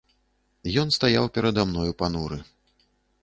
Ён стаяў перада мною пануры.